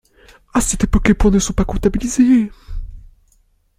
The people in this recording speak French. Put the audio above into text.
À cette époque, les points ne sont pas comptabilisés.